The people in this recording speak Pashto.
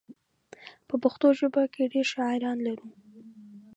په پښتو ژبه کې ډېر شاعران لرو.